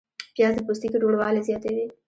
پیاز د پوستکي روڼوالی زیاتوي